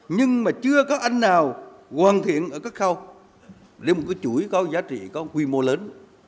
nhưng mà chưa có anh nào hoàn thiện ở các khâu lên một cái chuỗi có giá trị có quy mô lớn